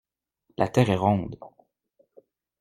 La terre est ronde.